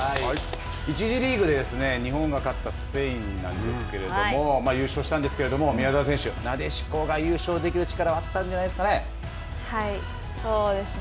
１次リーグで日本が勝ったスペインなんですけども、優勝したんですけれども、宮澤選手、なでしこが優勝できる力はあはい、そうですね。